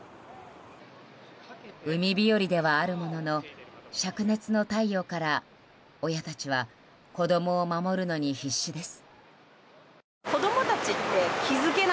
海日和ではあるものの灼熱の太陽から親たちは子供を守るのに必死です。